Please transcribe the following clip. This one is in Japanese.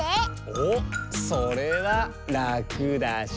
おっそれはラクだし。